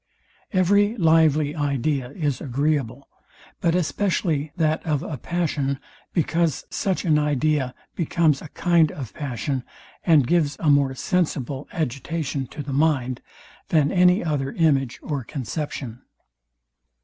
Every lively idea is agreeable, but especially that of a passion, because such an idea becomes a kind of passion, and gives a more sensible agitation to the mind, than any other image or conception.